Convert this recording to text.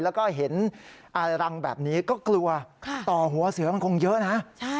แล้วก็เห็นรังแบบนี้ก็กลัวต่อหัวเสือมันคงเยอะนะ